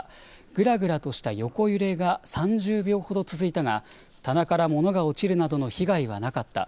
ぐらぐらとした横揺れが３０秒ほど続いたが棚から物が落ちるなどの被害はなかった。